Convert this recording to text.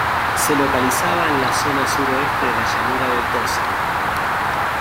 Se localizaba en la zona suroeste de la Llanura de Dozen.